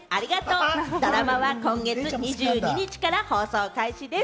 ドラマは今月２２日から放送開始です。